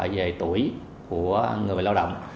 về tuổi của người lao động